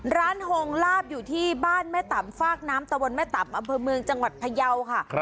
โฮงลาบอยู่ที่บ้านแม่ต่ำฟากน้ำตะวนแม่ต่ำอำเภอเมืองจังหวัดพยาวค่ะ